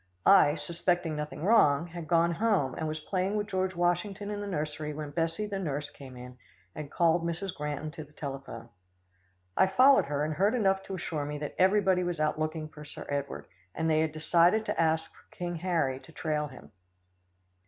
I, suspecting nothing wrong, had gone home, and was playing with George Washington in the nursery when Bessie the nurse came in, and called Mrs. Granton to the telephone. I followed her, and heard enough to assure me that everybody was out looking for Sir Edward, and they had decided to ask for King Harry to trail him.